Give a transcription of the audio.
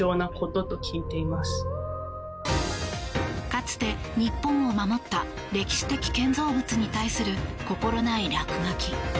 かつて日本を守った歴史的建造物に対する心ない落書き。